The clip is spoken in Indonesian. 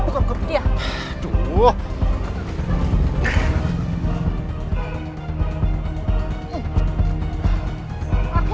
kita pulang aja